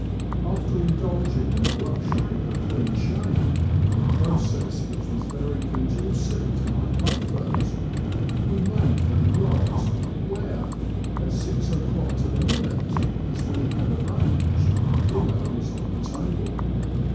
After indulging in the luxury of a clean shave, a process which was very conducive to my comfort, we made for the yacht, where, at six o'clock to the minute, as we had arranged, dimier was on the table.